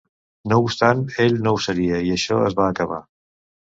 No obstant, ell no ho seria, i això es va acabar.